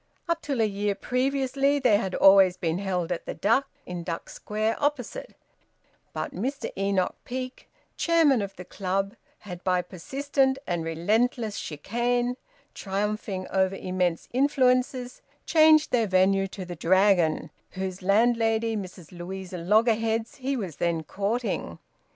Up till a year previously they had always been held at the Duck, in Duck Square, opposite; but Mr Enoch Peake, Chairman of the Club, had by persistent and relentless chicane, triumphing over immense influences, changed their venue to the Dragon, whose landlady, Mrs Louisa Loggerheads, he was then courting.